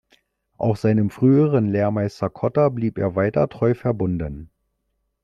Auch seinem früheren Lehrmeister Cotta blieb er weiter treu verbunden.